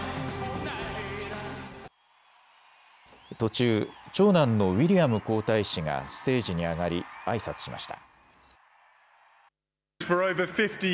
途中、長男のウィリアム皇太子がステージに上がりあいさつしました。